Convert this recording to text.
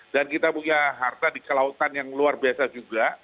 dan kita punya harta di kelautan yang luar biasa juga